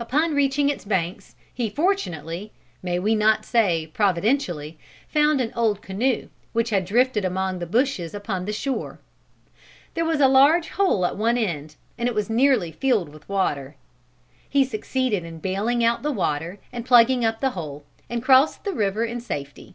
Upon reaching its banks he fortunately may we not say providentially found an old canoe which had drifted among the bushes upon the shore. There was a large hole at one end, and it was nearly filled with water. He succeeded in bailing out the water and plugging up the hole, and crossed the river in safety.